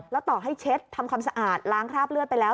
แล้วต่อให้เช็ดทำความสะอาดล้างคราบเลือดไปแล้ว